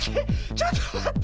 ちょっとまって。